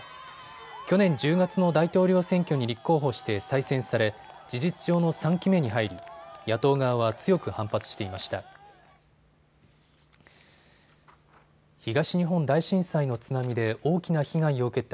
去年１０月の大統領選挙に立候補して再選され事実上の３期目に入り野党側は強く反発していました。